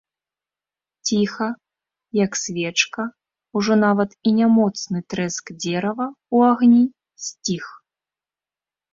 Ціха, як свечка, ужо нават і нямоцны трэск дзерава ў агні сціх.